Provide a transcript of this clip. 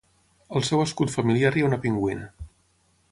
Al seu escut familiar hi ha una pingüina.